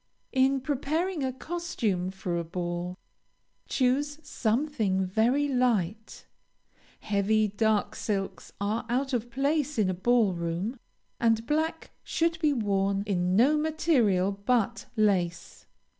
In preparing a costume for a ball, choose something very light. Heavy, dark silks are out of place in a ball room, and black should be worn in no material but lace.